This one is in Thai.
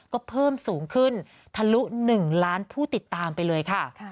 ก็เพิ่มสูงขึ้นทะลุ๑ล้านผู้ติดตามไปเลยค่ะ